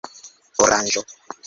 oranĝo